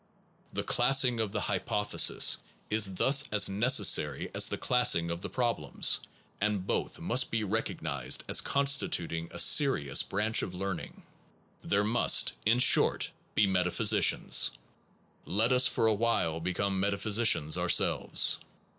The classing of the hypotheses is thus as neces 33 SOME PROBLEMS OF PHILOSOPHY sary as the classing of the problems, and both must be recognized as constituting a serious branch of learning. 1 There must in short be metaphysicians. Let us for a while become metaphysicians ourselves.